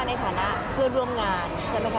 ในฐานะเพื่อนร่วมงานใช่ไหมคะ